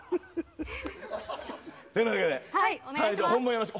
というわけで、本番よろしく。